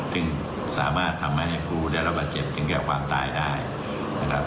ซึ่งสามารถทำให้ผู้ได้รับบาดเจ็บถึงแก่ความตายได้นะครับ